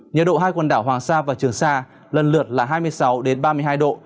nhiệt độ hai quần đảo hoàng sa và trường sa lần lượt là hai mươi sáu ba mươi hai độ